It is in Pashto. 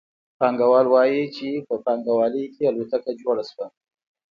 پانګوال وايي چې په پانګوالي کې الوتکه جوړه شوه